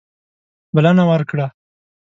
بلنه ورکړه.